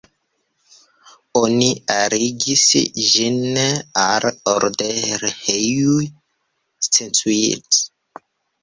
Oni aligis ĝin al Odorheiu Secuiesc.